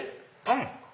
パン？